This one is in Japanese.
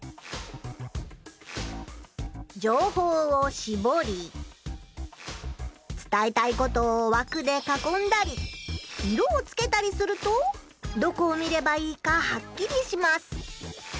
じょうほうをしぼりつたえたいことをわくでかこんだり色をつけたりするとどこを見ればいいかはっきりします。